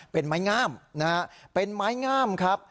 เป็นไม้งามนะฮะเป็นไม้งามครับ